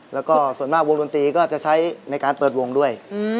แล้วก็ส่วนมากวงดนตรีก็จะใช้ในการเปิดวงด้วย